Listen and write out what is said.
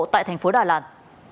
tại thành phố đà lạt